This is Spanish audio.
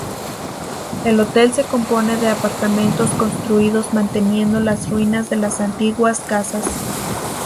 El hotel se compone de apartamentos construidos manteniendo las ruinas de las antiguas casas.